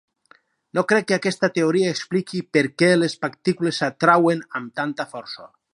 No crec que aquesta teoria expliqui per què les partícules s'atrauen amb tanta força.